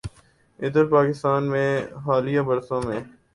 ادھر پاکستان میں حالیہ برسوں میں